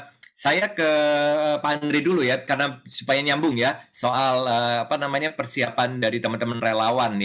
oke saya ke pak andri dulu ya karena supaya nyambung ya soal persiapan dari teman teman relawan